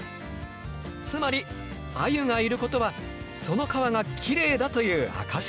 つまりアユがいることはその川がきれいだという証しなのだ。